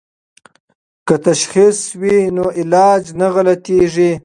که تشخیص وي نو علاج نه غلطیږي.